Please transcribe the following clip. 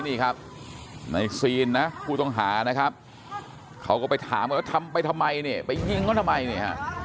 นี่ครับในซีนนะผู้ต้องหานะครับเขาก็ไปถามกันว่าทำไปทำไมเนี่ยไปยิงเขาทำไมเนี่ย